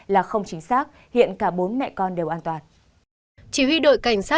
là không chính xác hiện cả bốn mẹ con đều an toàn